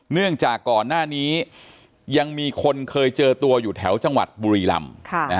เนื่องจากก่อนหน้านี้ยังมีคนเคยเจอตัวอยู่แถวจังหวัดบุรีลำ